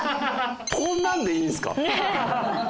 こんなんでいいんすか？